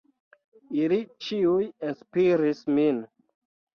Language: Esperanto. Ili ĉiuj inspiris min.